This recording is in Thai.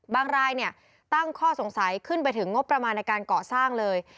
รายตั้งข้อสงสัยขึ้นไปถึงงบประมาณในการก่อสร้างเลย